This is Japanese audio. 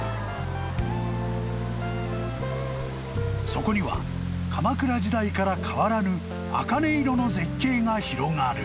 ［そこには鎌倉時代から変わらぬあかね色の絶景が広がる］